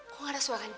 kok gak ada suaranya